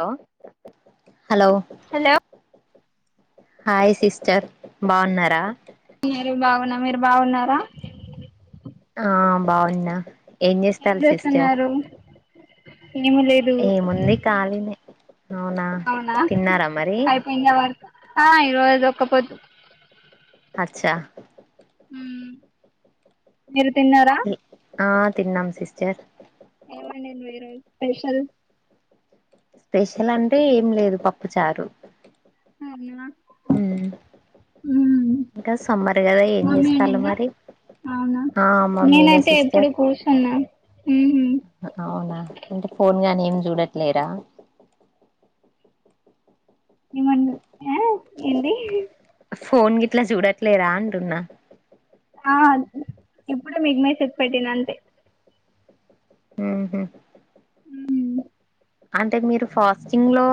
Hello hello hello hi sister బాగున్నారా మీరు బాగున్న మీరు బాగున్నారా ఆ బాగున్న ఏం చేస్తున్నారు ఏమి లేదు ఏముంది కాలని అవునా అవునా తిన్నారా మరి అయిపోయిందా వర్క్ ఆ ఈరోజు ఒక్కపోద్దు అచ్చా మ్ మీరు తిన్నారా ఆ తిన్నాం సిస్టర్ ఏమునింది ఈ రోజు స్పెషల్ స్పెషల్ అంటే ఏం లేదు పప్పు చారు [unintelligible] మ్ మ్మ్ ఇంకా సమ్మర్ కదా ఏం మమ్మీ చేస్తారు వండిందా మరి, అవునా ఆ మమ్మీనే నేనైతే సిస్టర్, ఎప్పుడు కూర్చున్నా మ్మ్ అవునా అంటే ఫోన్ గాని మ్ చూడట్లేరా నం ఆ ఎంది ఫోన్ గిట్లా చూడట్లేదా అంటున్నా ఆ ఇప్పుడు విగ్నేష్ పేట్ పెట్టిన అంతే హ్మ్ హు మ్మ్ అంటే మీరు ఫాస్టింగ్ లో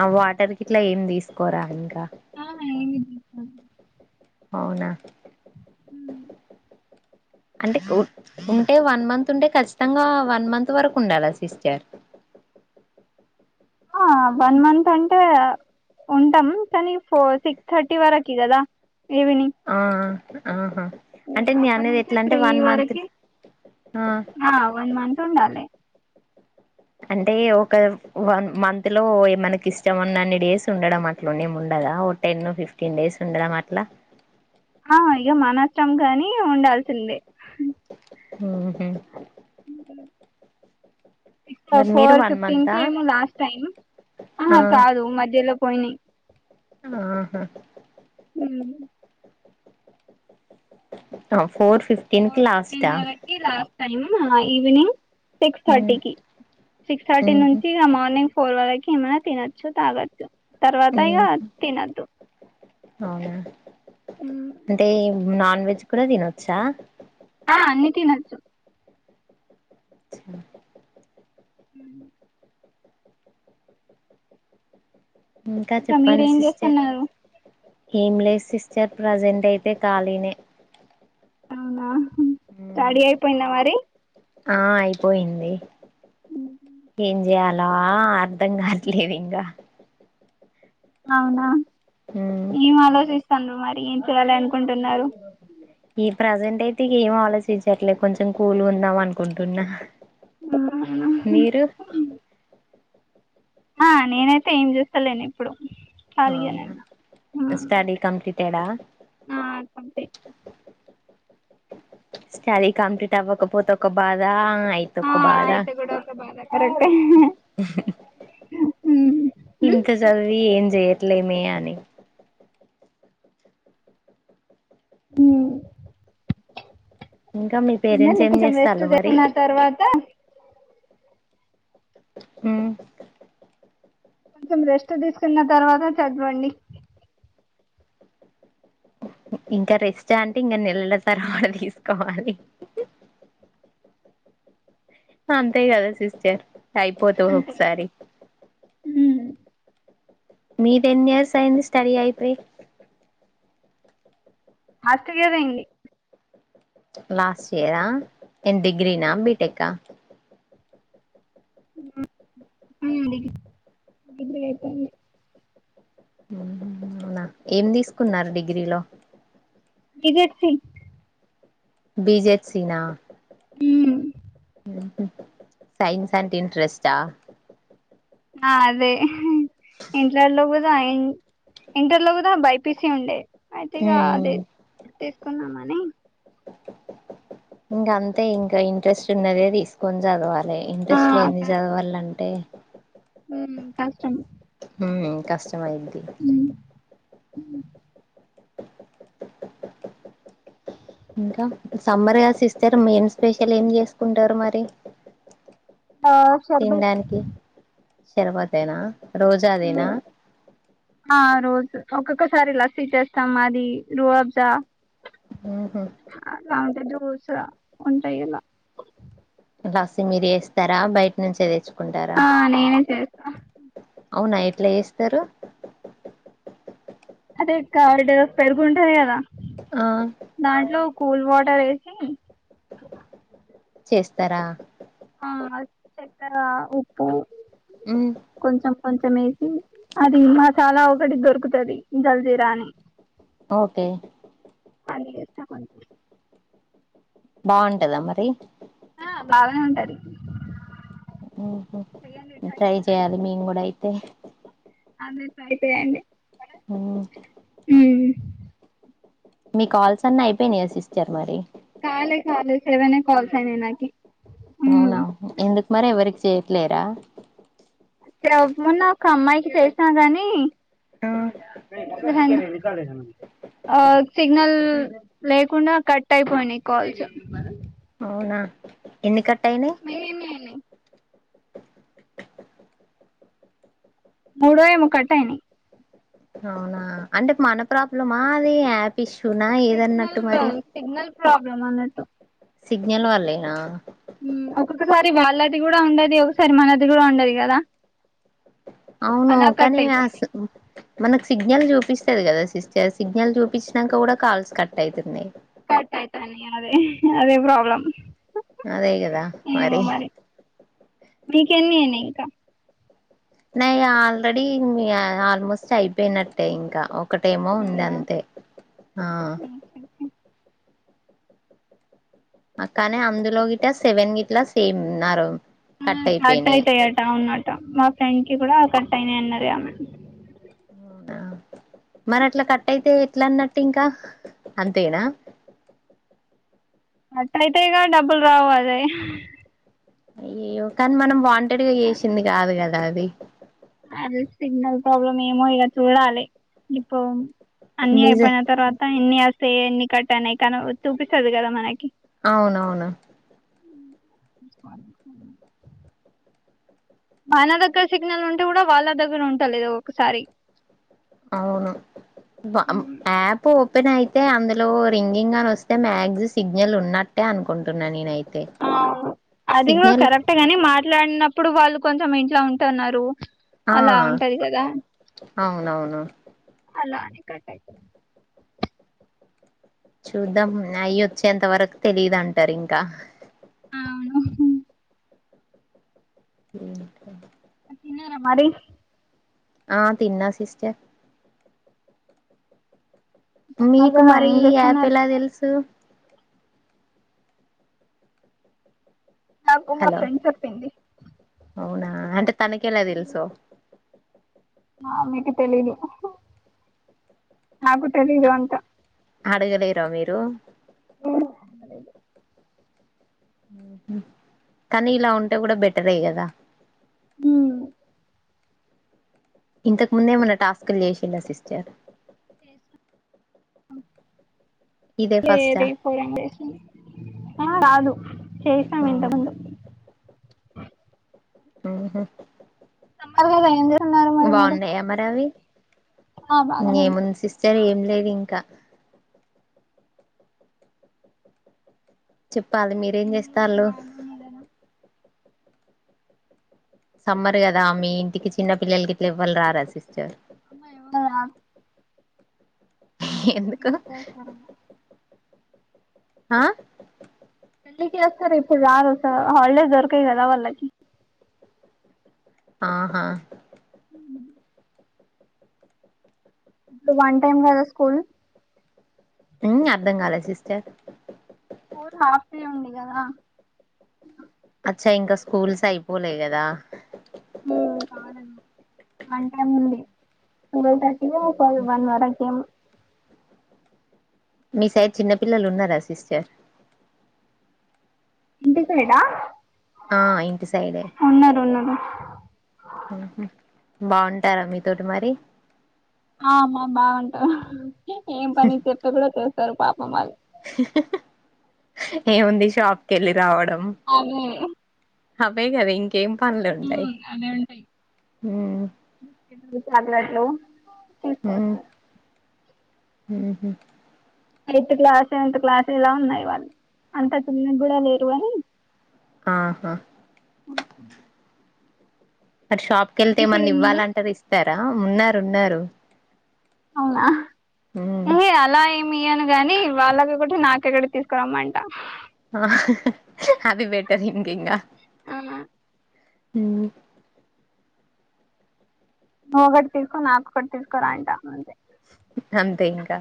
ఆ వాటర్ గి ఇట్లా ఏమి తీసుకోరా ఇంకా ఆ ఏమి తీసుకోము అవునా అంటే ఉంటే వన్ మంత్ ఉంటే ఖచ్చితంగా వన్ మంత్ వరకు ఉండాలా సిస్టర్ ఆ వన్ మంత్ అంటే ఉంటాం. కానీ ఫోర్ సిక్స్ థర్టీ వరకి కదా ఆ ఆహా హ్మ్ అంటే నేను అప్పట్ అనేది నుంచి ఎట్లా అంటే త్రీ వన్ మంత్ వరక్కి ఆ ఆ వన్ మంత్ ఉండాలి. అంటే ఒక వన్ మంత్ లో ఏ మనకి ఇష్టం ఉన్నా అన్ని డేస్ ఉండడం అట్లునేమి ఉండదా, ఓ టెన్ ఫిఫ్టీన్ డేస్ ఉండడం అట్లా ఆ ఇగ మానష్టం గాని ఉండాల్సిందే హ్మ్ ఇక్కడ ఫోర్ వన్ ఫిఫ్టీన్ మంతా కేమో లాస్ట్ టైం ఆ కాదు మధ్యలో పోయ్న్ ఆహా మ్ అ ఫోర్ ఫిఫ్టీన్ కి లాస్ట్ హలో హా ఈవినింగ్ సిక్స్ ఉమ్, థర్టీకి సిక్స్ థర్టీ ఉహు నుంచి మార్నింగ్ ఫవాకి ఇ మ తినచ్చ తగొచ్చ తర్వాత ఇక ఉహు. తినొద్దు అవునా అంటే నాన్ వెజ్ కూడా తినొచ్చా ఆ అన్ని తిన్నచో ఇంకా మీరే చెప్పండి ఏం సిస్టర్ చేస్తన్నారు ఏం లేదు సిస్టర్ ప్రెజెంట్ అయితే ఖాళీనే అవునా మ్మ్ స్టడీ అయిపోయింద మరి ఆ అయిపోయింది ఏం జేయాల అర్ధం కావట్లేదు ఇంగా అవునా ఈ మాలోసి తండ మరి ఏం చేయాలి అనుకుంటున్నారు ఈ ప్రజెంట్ అయితే ఏం ఆలోచించట్లే కొంచెం కూలు ఉందాం అనుకుంటున్నా మీరు ఆ నేనైతే ఏం చేస్తలేను ఇప్పుడు ఖాళీగానే అవునా ఉన్న స్టడీ కంప్లీటెడా. ఆ అంతే స్టడీ కంప్లీట్ అవ్వకపోతే ఒక బాధ అయితే ఆ ఒక బాధ ఆయితే కూడా ఒక బాధే కరెక్టే మ్మ్ హ్మ్ ఇంత చదివి ఏం జేయట్లే మే అని హుమ్ ఇంకా మీ పేరెంట్స్ ఉండనీ ఏం కొంచం రెస్ట్ చేస్తాళ్ళు మరి తీస్కొన్న తర్వాత హ్మ్ కొంచెం రెస్ట్ తీసుకున్న తర్వాత చదవండి ఇంకా రెస్ట్ అంటే ఇంకా నెలల తరవాత తీసుకోవాలి, అంతే కదా సిస్టర్ అయిపోతవ్ ఒకొక్ సారి. మీది ఎన్ని ఇయర్స్ అయింది స్టడీ అయిపోయి లాస్ట్ ఇయరే అయింది లాస్ట్ ఇయరా ఏం డిగ్రీనా బీటెక్కా ఆ అడిగ [unintelligible] ఊహు అవునా ఏం తీసుకున్నారు డిగ్రీలో B Z C B Z సినా ఊమ్ ఉహు సైన్స్ అంటే ఇంట్రెస్టా ఆ అదే ఇంట్లల్లో గుద్ న్ ఇంటర్ లో కూదా బై పీ సి ఉండే అయితే ఇగ అది తీసుకుందామని ఇంగంతే ఇంకా ఇంట్రెస్ట్ ఉన్నదే తీసుకొని చదవాలి ఇంట్రెస్ట్ లేంది చదవాలంటే ఊమ్ కష్టం ఉమ్ కష్టమైద్ది ఊ ఊ ఇంకా సమ్మర్ గా సిస్టర్ మెయిన్ స్పెషల్ ఏం చేసుకుంటరు మరి ఆ శర్బత్ శర్భతేనా ఆ రోజు ఒక్కొక్కసారి లస్సీ చేస్తాం మాది రువబ్జా ఆహా దోస వంటీయాల లస్సీ మీరు చేస్తరా బయట నుంచి తెచ్చుక్ ఆ నేనే చేస్తా అవునా ఎట్లా చేస్తరు ఫస్ట్ కర్డ్ పెరుగు ఉంటది కదా ఆ దాంట్లో కూల్ వా టర్ ఏసి చేస్తరా ఆ చెక్కర ఉప్పు ఉ కొంచెం కొంచెం వేసి అది మసాలా ఒకటికి దొరుకుతది జల్దీ రాని ఓకే [unintelligible] బాగుంటదా మరి అ బాగానే ఉంటాది మ్ హు ట్రై ఒకసారి చేయాలి మేము కూడా అయితే [unintelligible] అయిపోయాఅండి మ్ మ్ మీ కాల్సన్ని అయిపోయినాయా సిస్టర్ మరి కాలే కాలే సెవనే కాల్సైనయి నాకి ఉమ్ అవునా ఎందుకు మరి ఎవరికి చేయట్లేరా తేవ్ మొన్న ఒక అమ్మాయికి చేసినా కాని ఆ [unintelligible] సిగ్నల్ లేకుండా కట్ అయిపోయినాయి కాల్స్ అవునా ఎందుకట్ టయినయ్ మీవి ఎన్ని అయినాయి మూడో ఏమో కట్టయినయి అవునా అంటే మన ప్రాబ్లమా అది యాప్ ఇష్యూ నా ఏదన్నట్టు మరి ప్రాబ్లమ్ అన్నట్టు సిగ్నల్ వల్లేనా ది వాళ్ళది కూడా ఉండది ఒకసారి మనది కూడా ఉండది కదా అవును అలా కట్ కానీ అయిపోయింది అస్ మనకు సిగ్ సిగ్నల్ చూపిస్తది కదా సిస్టర్, సిగ్నల్ చూపించినాక కూడా కాల్స్ కట్ అవుతున్నాయి. [unintelligible] అదే అదే ప్రాబ్లమ్ అదే కదా మరి మీకెన్ని అయినయి కా నాయి ఆల్రెడీ ఆల్మోస్ట్ అయిపోయినట్టే ఇంకా ఒ ఒకటేమో ఉంది అవునా అంతే ఆ ఓకే, ఓకే. అక్కనే అందులో గిట్ట సెవెన్ గిట్లా సేమ్న్నారు మ్ కట్ అవుతాయట అవున్నట మా ఫ్రెండ్ ఇ కూడా కట్ అయినాయి అన్నది ఆమె మరి అట్లా కట్ట అయితే ఎట్లా అన్నట్టు ఇంకా అంతేనా కట్ అయితేగా డబ్బులు రావు అదే అయ్యో కానీ మనం వాం ఇక్కడిగా చేసింది కాదు కదా అది అ సిగ్నల్ ప్రాబ్లమ్ ఏమో ఇలా చూడాలి ఇప్పు అన్ని నిజ అయిపోయిన తర్వాత ఇన్ని స ఎన్ని కట్టానాయి కానీ చూపిస్తది కదా మనకి అవునవును మన దగ్గర సిగ్నల్ ఉంటే కూడా వాళ్ళ దగ్గర ఉంటాలదు ఒకసారి అవును ఆ పో న్ అయితే అందులో రింగింగ్ అని వస్తే మ్యాగ్జి సిగ్నల్ ఉన్నట్టే అనుకుంటున్నా నేనై అది కూడా కరెక్టే గాని మాట్లాడినప్ ఇప్పుడు వాళ్ళు కొంచెం ఇంట్లో ఉంటన్నరు ఆ అవునవును అలా అని కట్టయిపోయింది చూద్దాం నయి వచ్చేంత వరకు తెలిదంటారు ఇంకా అవును ఓ హో తిన్నారా మరి ఆ తిన్నా సిస్టర్ సమ్మర్ మీకు కదా మరి ఏం ఈ యాప్ చేస్తున్నారు ఎలా మరి తెలుసు నాకు మా హలో ఫ్రెండ్ చెప్పింది అవునా అంటే తనకెలా తెలుసు ఆమెకు తెలీదు నాకు తెలీదు అంట అడగలేరా మీరు కానీ ఇలా ఉంటే కూడా బెటరే కదా మ్మ్ ఇంతకు ముందేమన్న టాస్క్లు చేసిల్ల సిస్టర్ ఇదే సేర ఫస్టా పో [unintelligible] చాలు చేసా అవునా ఇంతకుముందు మ్మ్ హ్మ్ తప్పదు కదా ఏం [unintelligible] మీరు బాండయ్యా మరవి ఆ బాగానే ఉన్నా ఏముంది సిస్టర్ ఏం లేదు ఇంకా పాలి మీరేం పిల్లలు కూడా చేస్తాళ్ళు బాగున్నాయి కదా సమ్మర్ కదా మీ ఇంటికి చిన్న పిల్లలకి ఎవళ్ళు రారా సిస్టర్ అమ్మా ఎవ ఎందుకు పెళ్ళికేస్తారు ఆ పెళ్లికి వస్తారు ఇప్పుడు రారు హాలిడేస్ దొరకయ్ కదా వాళ్ళకి ఆహా ఇప్పుడు వన్ టైం కదా స్కూల్ మ్ అర్ధం కాలే సిస్టర్ స్కూల్ హాఫ్ డే ఉంది కదా చ్చా ఇంకా స్కూల్స్ అయిపోలే కదా కాలే వన్ టైం ఉంది ట్వల్ థర్టీకొ వన్ ఫైవ్ వర్క ఏమో మీ సైడ్ చిన్న పిల్లలు ఉన్నారా సిస్టర్ ఇంటి సైడా ఆ ఇంటి సైడే ఉన్నారు ఉన్నారు మ్మ్ హ్మ్ బావుంటారా మీతోటి మరి ఆమా బాగుంటామ్ ఏం పని చెప్తే కూడా చేస్ సరూ పాపం వాల్ ఏం ఉంది షాప్ కెల్లి అదే అవే గద ఇం మ్మ్ అన్ని ఉంటాయి ఉమ్ బిస్కెట్లు చాక్లెట్లు ఉమ్ తీసుకొస్తారు మ్మ్ హ్మ్ ఎయిత్ క్లాస్ సెవెన్త్ క్లాస్ ఇలా ఉన్నాయి వాళ్ళు అంత చిన్నగ్గూడా లేరు గాని ఆహా మరి షాప్ పైసలు కెళ్తేమన్న ఉన్నాయా ఇవ్వాలంటే ర ఇస్తార్ తా ఉన్నారు ఉన్నారు అవునా ఉమ్ ఏ అలా ఏం మీ అని గాని వాళ్ళక ఒకటి నాకెక్కడకి తీసుకురమ్మంట అది బెటర్ లెండి ఇంకా అవున మ్మ్ నువొక్కటి తీస్కో నాకొక్కటి తీస్కరా అంటా అంతే అంతే ఇంకా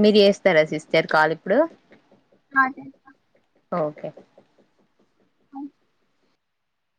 మీర్ జేస్తరా సిస్టర్ కాల్ ఇప్పుడు అదే అ ఓకే